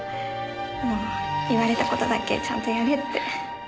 もう言われた事だけちゃんとやれって。